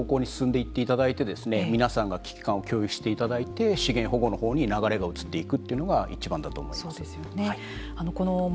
もちろんそういった方向に進んでいっていただいて皆さんが危機感を共有していただいて資源保護のほうに流れが移っていくというのがいちばんだと思います。